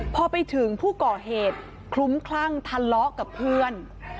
พอไปถึงผู้ก่อเหตุคลุ้มคลั่งทะเลาะกับเพื่อน